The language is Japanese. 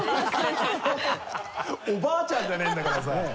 おばあちゃんじゃないんだからさ。